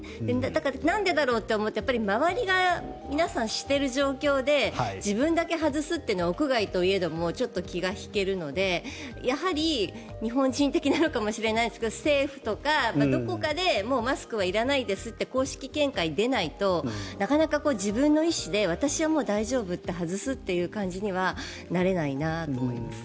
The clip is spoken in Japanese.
だから、なんでだろうと思うと周りが皆さんしている状況で自分だけ外すっていうのは屋外といえどもちょっと気が引けるのでやはり、日本人的なのかもしれないんですが政府とかどこかでもうマスクはいらないですって公式見解が出ないとなかなか自分の意思で私はもう大丈夫外すという感じにはなれないなと思います。